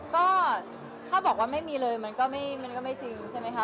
ก็ถ้าบอกว่าไม่มีเลยมันก็ไม่จริงใช่ไหมคะ